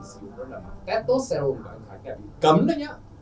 thì đó là mảng testosterone mà anh khánh kèm cấm đấy nhé